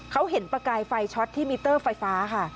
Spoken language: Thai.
เขาเห็นประกายไฟช็อตที่มิเตอร์ไฟฟ้าค่ะ